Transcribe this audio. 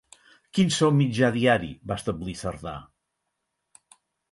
Quin sou mitjà diari va establir Cerdà?